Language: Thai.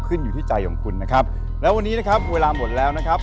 อยู่ที่ใจของคุณนะครับแล้ววันนี้นะครับเวลาหมดแล้วนะครับ